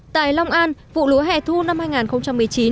tại long an vụ lúa hẻ thu năm hai nghìn một mươi chín